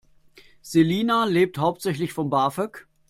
Selina lebt hauptsächlich von BAföG.